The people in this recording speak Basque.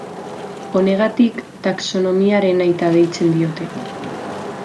Honegatik, taxonomiaren aita deitzen diote.